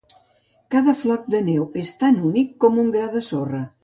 Cada floc de neu és tan únic com un gra de sorra.